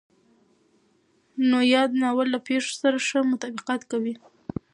نو ياد ناول له پېښو سره ښه مطابقت کوي.